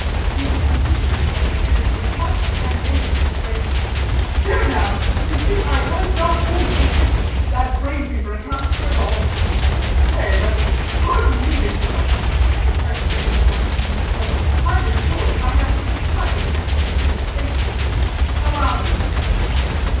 He was continuing, when the stranger with much animation exclaimed: "There now, you see, I was not wholly mistaken. That brain fever accounts for it all." "Nay; but " "Pardon me, Mr. Roberts," respectfully interrupting him, "but time is short, and I have something private and particular to say to you. Allow me."